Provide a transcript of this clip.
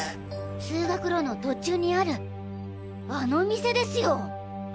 通学路の途中にあるあの店ですよ！